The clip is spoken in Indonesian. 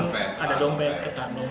kenapa kalau nedok nedok keberadaan